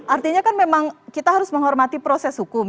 artinya kan memang kita harus menghormati proses hukum